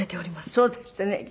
そうですってね。